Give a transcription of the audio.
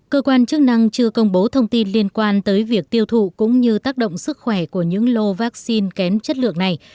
cơ quan chức năng chưa công bố thông tin liên quan tới việc tiêu thụ cũng như tác động sức khỏe của những lô vaccine kém chất lượng này